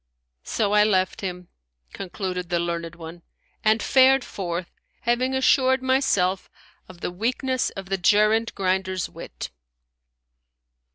So I left him, (concluded the learned one) and fared forth, having assured myself of the weakness of the gerund grinder's wit."